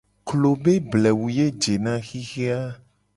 Klo be blewu ye jena xixe a.